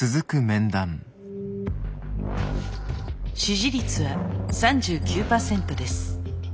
支持率は３９％です。